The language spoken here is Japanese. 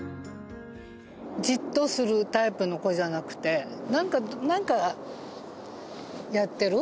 じっとするタイプの子じゃなくてなんかやってる。